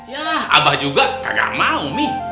ya abah juga kagak mau mi